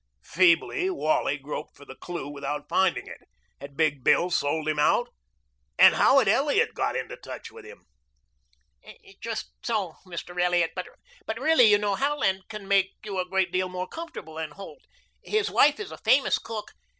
Feebly Wally groped for the clue without finding it. Had Big Bill sold him out? And how had Elliot got into touch with him? "Just so, Mr. Elliot. But really, you know, Howland can make you a great deal more comfortable than Holt. His wife is a famous cook.